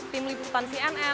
tim liputan cnn jakarta